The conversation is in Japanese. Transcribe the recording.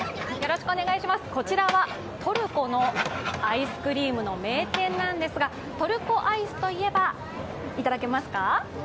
こちらはトルコのアイスクリームの名店なんですがトルコアイスといえばいただけますか？